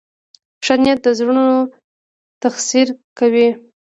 ښه نیت د زړونو تسخیر کوي.